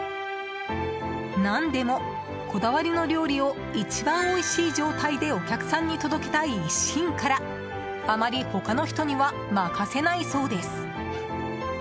何でも、こだわりの料理を一番おいしい状態でお客さんに届けたい一心からあまり他の人には任せないそうです。